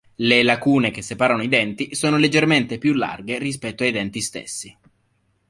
Le lacune che separano i denti sono leggermente più larghe rispetto ai denti stessi.